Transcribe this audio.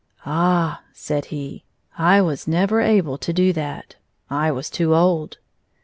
" Ah," said he, " I was never able to do that. I was too old."